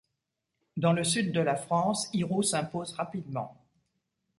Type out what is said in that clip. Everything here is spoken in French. Dans le sud de la France, Hiroux s’impose rapidement.